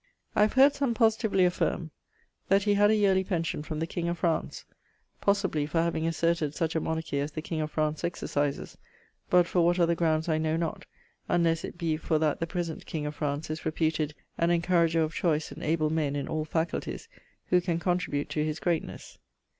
I have heard some positively affirme that he had a yearly pension from the king of France, possibly for having asserted such a monarchie as the king of France exercises, but for what other grounds I know not, unles it be for that the present king of France is reputed an encourager of choice and able men in all faculties who can contribute to his greatnes.